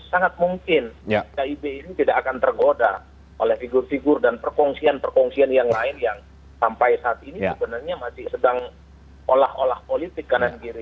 sangat mungkin kib ini tidak akan tergoda oleh figur figur dan perkongsian perkongsian yang lain yang sampai saat ini sebenarnya masih sedang olah olah politik kanan kiri